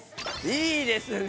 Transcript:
いいですね！